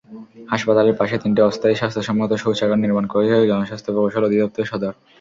হাসপাতালের পাশে তিনটি অস্থায়ী স্বাস্থ্যসম্মত শৌচাগার নির্মাণ করেছে জনস্বাস্থ্য প্রকৌশল অধিদপ্তর সদর।